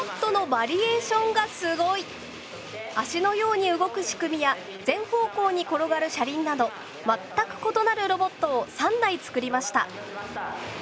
脚のように動く仕組みや全方向に転がる車輪など全く異なるロボットを３台作りました。